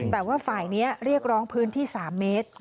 แต่ว่าฝ่ายนี้เรียกร้องพื้นที่๓เมตร